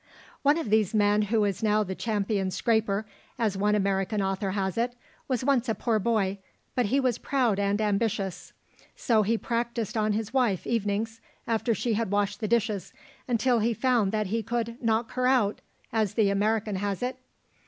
"One of these men, who is now the champion scrapper, as one American author has it, was once a poor boy, but he was proud and ambitious. So he practiced on his wife evenings, after she had washed the dishes, until he found that he could 'knock her out,' as the American has it.